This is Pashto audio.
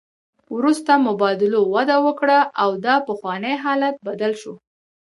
وروسته مبادلو وده وکړه او دا پخوانی حالت بدل شو